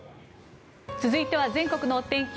続いては全国のお天気